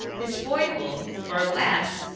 His foible, — ^for alas !